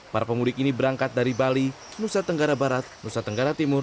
para pemudik ini berangkat dari bali nusa tenggara barat nusa tenggara timur